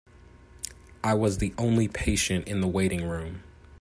I was the only patient in the waiting room.